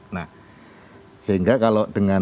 nah sehingga kalau dengan